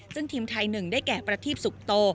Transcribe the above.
ซึ่งทีมไทยหนึ่งได้แก่ประทีปสุขโต